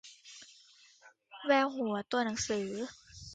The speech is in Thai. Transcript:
แววหัวตัวหนังสือ